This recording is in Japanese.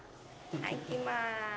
はいいきます。